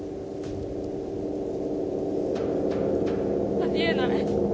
あり得ない。